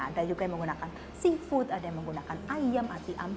ada juga yang menggunakan seafood ada yang menggunakan ayam